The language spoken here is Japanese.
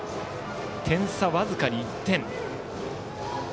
点差僅か１点。